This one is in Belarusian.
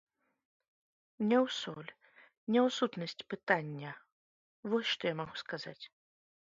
Не ў соль, не ў сутнасць пытання, вось што я магу сказаць.